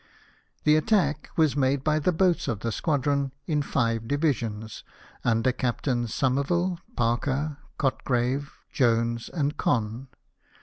The attack was made by the boats of the squadron in five divisions, under Captains Somerville, Parker, Cotgrave, Jones, and Conn.